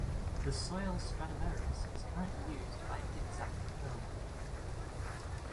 The Soil Stradivarius is currently used by Itzhak Perlman.